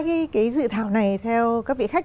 cái dự thảo này theo các vị khách